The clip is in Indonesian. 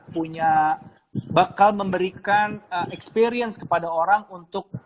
punya bakal memberikan experience kepada orang untuk